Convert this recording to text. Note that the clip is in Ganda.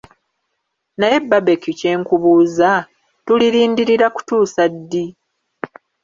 Naye Barbecue kye nkubuuza: tulirindirira kutuusa ddi?